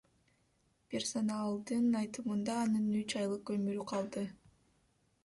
Персоналдын айтымында анын үч айлык өмүрү калды.